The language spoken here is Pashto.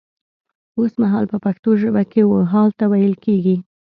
وسمهال په پښتو ژبه کې و حال ته ويل کيږي